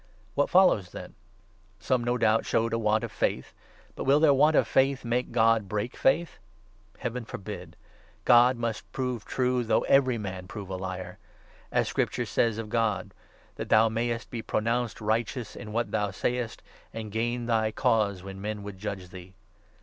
What follows 3 then ? Some, no doubt, showed a want of faith ; but will their want of faith make God break faith ? Heaven forbid ! God 4 must prove true, though every man prove a liar ! As Scripture says of God — 1 That thou mayest be pronounced righteous in what thou sayest, And gain thy cause when men would judge thee.'